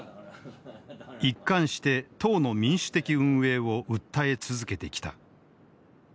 一貫して党の民主的運営を訴え続けてきた。